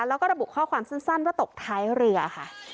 แล้วก็ระบุข้อความสั้นว่าตกท้ายเรือค่ะ